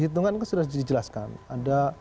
hitungan sudah dijelaskan anda